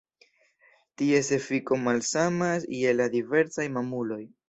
Ties efiko malsamas je la diversaj mamuloj.